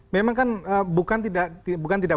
memang kan bukan tidak